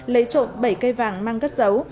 lấy trộm bảy cây vàng mang gất dấu